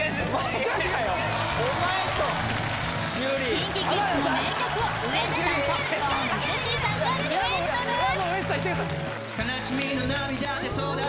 ＫｉｎＫｉＫｉｄｓの名曲をウエンツさんとＳｉｘＴＯＮＥＳ・ジェシーさんがデュエットです